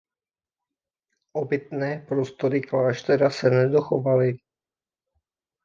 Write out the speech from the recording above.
Obytné prostory kláštera se nedochovaly.